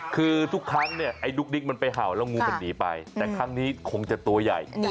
คือทุกครั้งเนี่ยไอ้ดุ๊กดิ๊กมันไปเห่าแล้วงูมันหนีไปแต่ครั้งนี้คงจะตัวใหญ่